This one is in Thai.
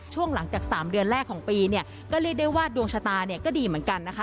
ช่วงหลังจาก๓เดือนแรกของปีเนี่ยก็เรียกได้ว่าดวงชะตาเนี่ยก็ดีเหมือนกันนะคะ